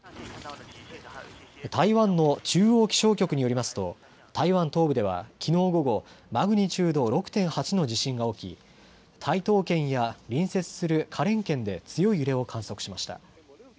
台湾の中央気象局によりますと台湾東部ではきのう午後、マグニチュード６．８の地震が起き、台東県や隣接する花蓮県で強い揺れを観測しました。